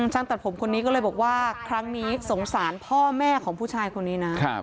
ช่างตัดผมคนนี้ก็เลยบอกว่าครั้งนี้สงสารพ่อแม่ของผู้ชายคนนี้นะ